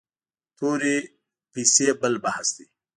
تورې پیسې بل بحث دی.